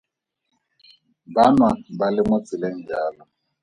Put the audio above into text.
Ba nwa ba le mo tseleng jalo.